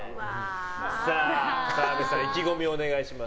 さあ、澤部さん意気込みをお願いします。